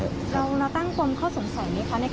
เราตั้งความข้อสงสัยไหมคะในขณะที่เราก็คุมตัวในเสียวไว้อยู่